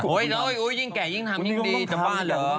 อุ๊ยยิ่งแก่ยิ่งทำยิ่งดีจะบ้าเหรอ